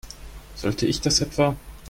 Sollte ich das etwa?